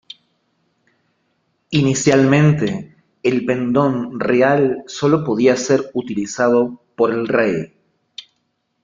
Inicialmente, el pendón real solo podía ser utilizado por el rey.